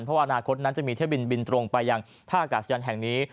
เพราะว่าอนาคตนั้นจะมีเที่ยวบินบินตรงไปยังท่าอากาศยานแห่งนี้